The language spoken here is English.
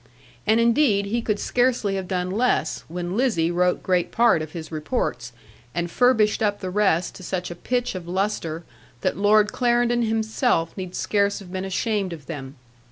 And indeed he could scarcely have done less, when Lizzie wrote great part of his reports, and furbished up the rest to such a pitch of lustre, that Lord Clarendon himself need scarce have been ashamed of them.